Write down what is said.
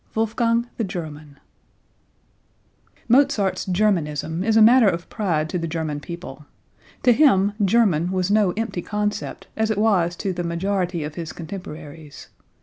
]) WOLFGANG, THE GERMAN Mozart's Germanism is a matter of pride to the German people. To him "German" was no empty concept, as it was to the majority of his contemporaries.